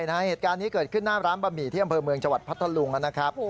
เหตุการณ์นี้เกิดขึ้นหน้าร้านบะหมี่ที่อำเภอเมืองจังหวัดพัทธลุงนะครับ